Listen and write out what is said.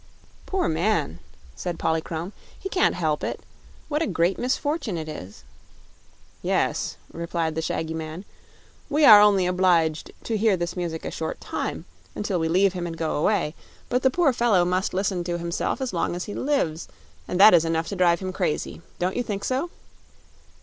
"Poor man," said Polychrome; "he can't help it. What a great misfortune it is!" "Yes," replied the shaggy man; "we are only obliged to hear this music a short time, until we leave him and go away; but the poor fellow must listen to himself as long as he lives, and that is enough to drive him crazy. Don't you think so?"